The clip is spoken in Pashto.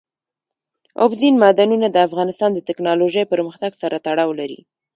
اوبزین معدنونه د افغانستان د تکنالوژۍ پرمختګ سره تړاو لري.